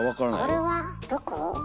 これはどこ？